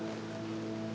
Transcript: tapi saya harus berhati hati